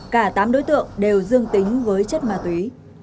cả tám đối tượng đều dương tính với chất ma túy